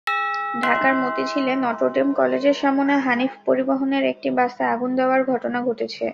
ঢাকার মতিঝিলে নটরডেম কলেজের সামনে হানিফ পরিবহনের একটি বাসে আগুন দেওয়ার ঘটনা ঘটেছে।